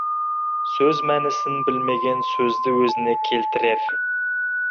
Сөз мәнісін білмеген сөзді өзіне келтірер.